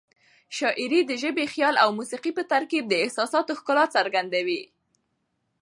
شاعري د ژبې، خیال او موسيقۍ په ترکیب د احساساتو ښکلا څرګندوي.